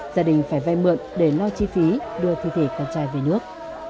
gia đình phải vay mượn để lo chi phí đưa thi thể con trai về nước